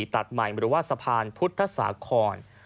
ตัดใหม่หรือว่าสะพานพุทธศาสตร์คอน